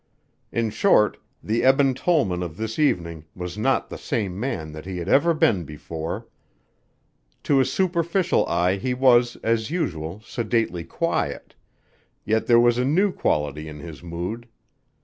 In short, the Eben Tollman of this evening was not the same man that he had ever been before. To a superficial eye he was, as usual, sedately quiet, yet there was a new quality in his mood.